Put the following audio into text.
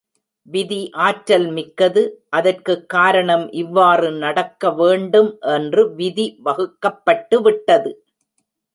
விதி ஆற்றல் மிக்கது. அதற்குக் காரணம் இவ்வாறு நடக்க வேண்டும் என்று விதி வகுக்கப் பட்டுவிட்டது.